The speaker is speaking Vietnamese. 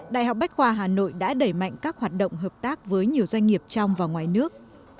đại học bách khoa hà nội đã đẩy mạnh các hoạt động hợp tác với nhiều doanh nghiệp trong và ngoài nước